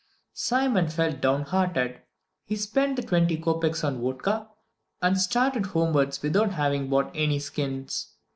Simon felt downhearted. He spent the twenty kopeks on vodka, and started homewards without having bought any skins.